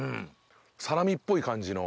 サラミっぽい感じの。